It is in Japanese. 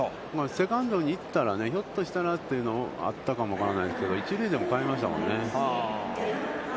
セカンドに行ったらひょっとしたらというのはあったかも分からないですけど、一塁でも代えましたよね。